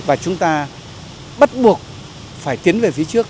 và chúng ta bắt buộc phải tiến về phía trước